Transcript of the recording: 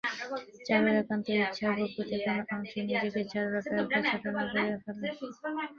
চারুর একান্ত ইচ্ছা, ভূপতি কোনো অংশেই নিজেকে চারুর অপেক্ষা ছোটো না করিয়া ফেলে।